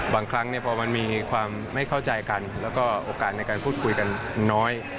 บางครั้งพอมันมีความไม่เข้าใจกันแล้วก็โอกาสในการพูดคุยกันน้อย